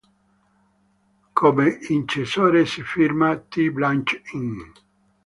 Come incisore si firma: "T. Blanchet in.